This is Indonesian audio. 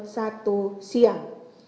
sampai pukul satu siang